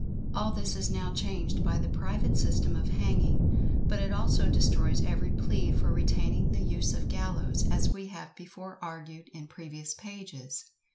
All this is now changed by the private system of hanging, but it also destroys every plea for retaining the use of the gallows, as we have before argued in previous pages.